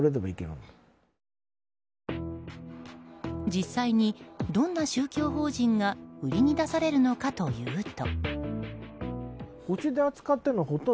実際にどんな宗教法人が売りに出されるのかというと。